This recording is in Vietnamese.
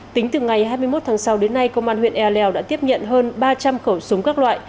tính từ ngày hai mươi một tháng sáu đến nay công an huyện ea leo đã tiếp nhận hơn ba trăm linh khẩu súng các loại